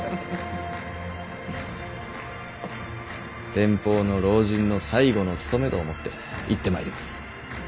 天保の老人の最後の務めと思って行ってまいります。